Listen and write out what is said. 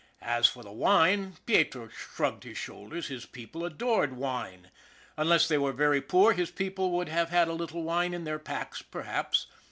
As for the wine Pietro shrugged his shoulders his people adored wine. Unless they were very poor his people would have a little wine in their packs, perhaps.